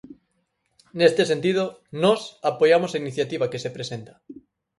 Neste sentido, nós apoiamos a iniciativa que se presenta.